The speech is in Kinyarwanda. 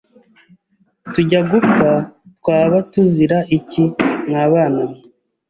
Tujya gupfa twaba tuzira iki mwabana mwe